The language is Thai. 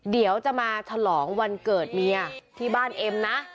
เดี๋ยวจะมาฉลองวันเกิดเมียที่บ้านเอ็มนะ